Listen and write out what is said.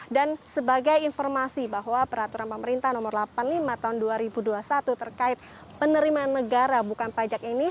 dan sebagai informasi bahwa peraturan pemerintah nomor delapan puluh lima tahun dua ribu dua puluh satu terkait penerimaan negara bukan pajak ini